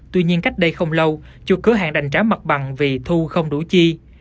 tuy nhiên cách đây không lâu chùa cửa hàng đành trả mặt bằng vì thu không đủ chi